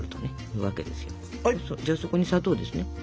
じゃあそこに砂糖ですね。